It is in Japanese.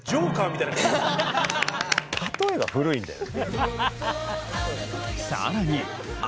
例えが古いんだよ。